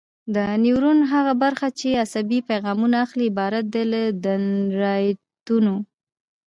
د نیورون هغه برخه چې عصبي پیغام اخلي عبارت دی له دندرایتونو.